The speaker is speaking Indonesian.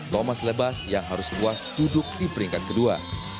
thomas lebas yang harus puas duduk di peringkat kedua